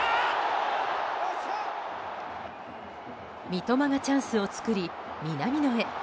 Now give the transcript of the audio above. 三笘がチャンスを作り南野へ。